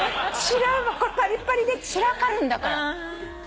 パリッパリで散らかるんだから。